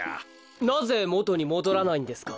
なぜもとにもどらないんですか？